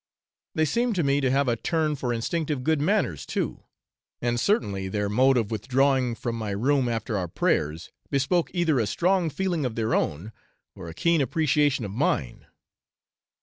They seem to me to have a 'turn' for instinctive good manners too; and certainly their mode of withdrawing from my room after our prayers bespoke either a strong feeling of their own or a keen appreciation of mine.